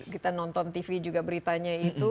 kita nonton tv juga beritanya itu